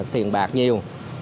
tiền bạc nhiều